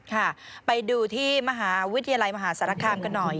ค่ะไปดูที่มหาวิทยาลัยมหาสารคามกันหน่อย